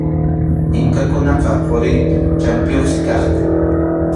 Inkakunaqa quri champiyuqsi kaqku.